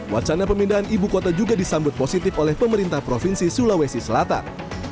wacana pemindahan ibu kota juga disambut positif oleh pemerintah provinsi sulawesi selatan